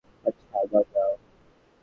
আচ্ছা বাদ দাও।